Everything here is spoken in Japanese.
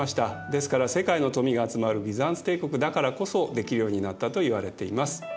ですから世界の富が集まるビザンツ帝国だからこそできるようになったといわれています。